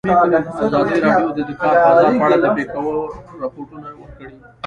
ازادي راډیو د د کار بازار په اړه د پېښو رپوټونه ورکړي.